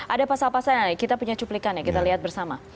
ada pasal pasal yang lain kita punya cuplikan ya kita lihat bersama